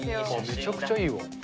めちゃくちゃいいわ。